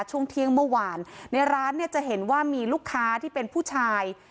ช่วงเที่ยงเมื่อวานในร้านเนี่ยจะเห็นว่ามีลูกค้าที่เป็นผู้ชาย